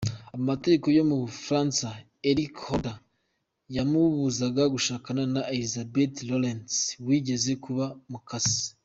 Amategeko yo mu Bufaransa, Eric Holder, yamubuzaga gushakana na Elizabeth Lorentz wigeze kuba mukase.